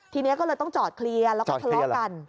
ทีนี้ก็เลยต้องจอดเคลียร์แล้วก็ทะเลาะกัน